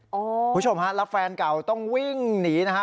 คุณผู้ชมฮะแล้วแฟนเก่าต้องวิ่งหนีนะฮะ